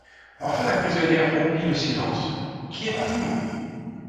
Enfin la prisonnière rompit le silence: — Qui êtes-vous?